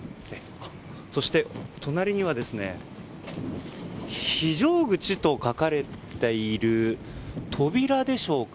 そして、隣には非常口と書かれている扉でしょうか。